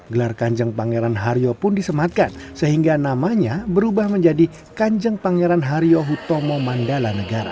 gelar kanjeng pangeran haryo pun disematkan sehingga namanya berubah menjadi kanjeng pangeran haryo hutomo mandala negara